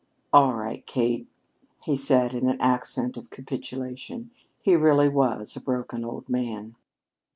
"All right, Kate," he said with an accent of capitulation. He really was a broken old man.